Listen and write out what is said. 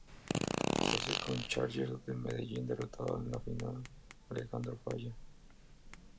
Se hace con el Challenger de Medellín derrotando en la final a Alejandro Falla.